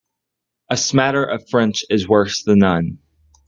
A smatter of French is worse than none.